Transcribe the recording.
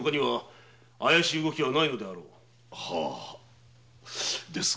はあですが。